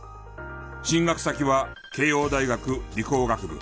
進学先は慶應大学理工学部。